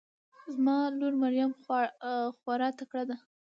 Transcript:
زما لور مريم خواره تکړه ده